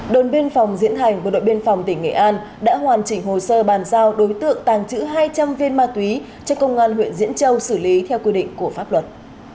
đồn biên phòng diễn hành bộ đội biên phòng tỉnh nghệ an đã hoàn chỉnh hồ sơ bàn giao đối tượng tàng trữ hai trăm linh viên ma túy cho công an huyện diễn châu xử lý theo quy định của pháp luật